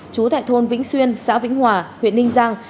trú tại thôn vĩnh xuyên xã vĩnh hòa huyện ninh giang